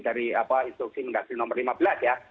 dari instruksi mendagri nomor lima belas ya